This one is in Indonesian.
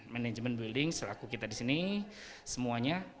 manajemen building selaku kita di sini semuanya